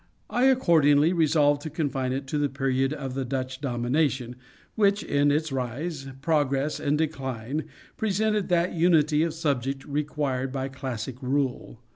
I accordingly resolved to confine it to the period of the Dutch domination, which, in its rise, progress and decline, presented that unity of subject required by classic rule.